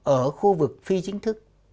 ở khu vực phi chính thức